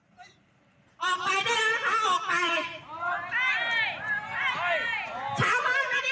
ได้เลือนที่สะพานแต่มานั่งอยู่นี้